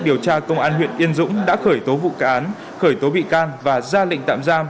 điều tra công an huyện yên dũng đã khởi tố vụ án khởi tố bị can và ra lệnh tạm giam